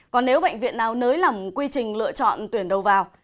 còn nếu bệnh viện nào nới lỏng quy trình lựa chọn tuyển đầu vào